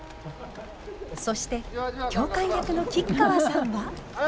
そして教官役の吉川さんは。